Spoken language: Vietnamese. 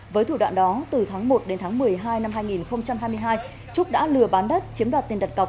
với thủ đoạn đó từ tháng một đến tháng một mươi hai năm hai nghìn hai mươi hai trúc đã lừa bán đất chiếm đoạt tiền đặt cọc